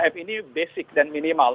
tiga m ini basic dan minimal